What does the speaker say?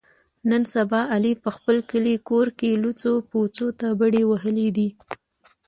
نن سبا علي په خپل کلي کور کې لوڅو پوڅو ته بډې وهلې دي.